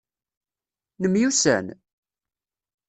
Nemyussan?